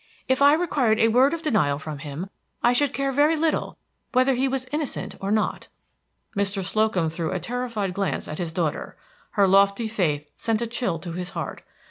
If I required a word of denial from him, I should care very little whether he was innocent or not." Mr. Slocum threw a terrified glance at his daughter. Her lofty faith sent a chill to his heart.